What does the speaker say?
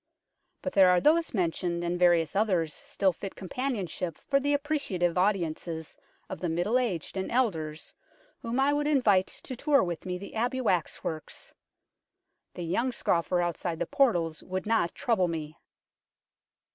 But there are those mentioned and various others still fit companionship for the appreciative audiences of the middle aged and elders whom I would invite to tour with me the Abbey wax works. The young scoffer outside the portals would not trouble me.